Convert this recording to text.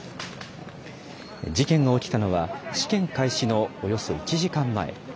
事件が起きたのは、試験開始のおよそ１時間前。